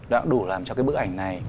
đã đủ làm cho cái bức ảnh này